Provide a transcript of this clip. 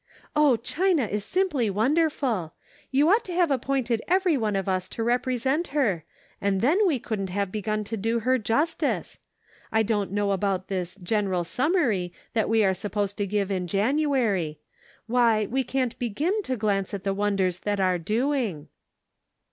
" Oh, China is simply wonderful. You ought to have appointed every one of us to represent her, and then we couldn't have begun to do her justice. I don't know about this ' general summary' that we are supposed to give in January. Why we can't begin to glance at the wonders that are doing."